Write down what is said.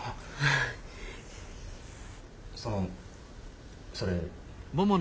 そのそれ。